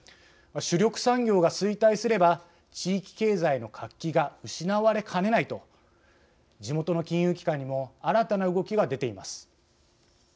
主力産業が衰退すれば地域経済の活気が失われかねないと地元の金融機関にも新たな動きが出ています。